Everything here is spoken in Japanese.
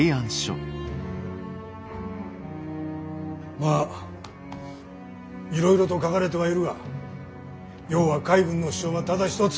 まあいろいろと書かれてはいるが要は海軍の主張はただ一つ。